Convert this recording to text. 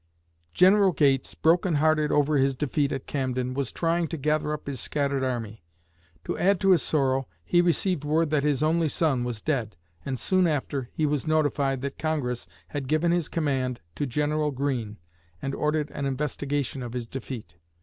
General Gates, broken hearted over his defeat at Camden, was trying to gather up his scattered army. To add to his sorrow, he received word that his only son was dead, and soon after, he was notified that Congress had given his command to General Greene and ordered an investigation of his defeat.